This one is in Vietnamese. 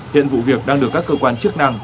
hiện vụ việc đang được các cơ quan chức năng